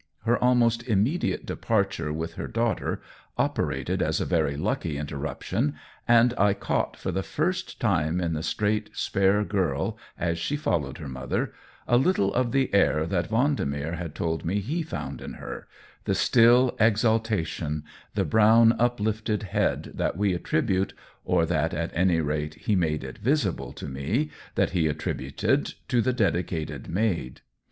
Her almost immediate departure with her daugh ter operated as a very lucky interruption, and I caught for the first time in the straight, spare girl, as she followed her mother, a little of the air that Vendemer had told me he found in her, the still exaltation, the brown uplifted head that we attribute, or that at any rate he made it COLLABORATION 115 visible to me that he attributed, to the dedicated Maid.